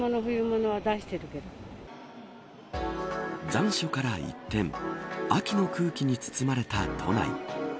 残暑から一転秋の空気に包まれた都内。